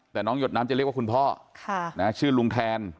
แต่น้องหยดน้ำจะเรียกว่าคุณพ่อชื่อลุงแทน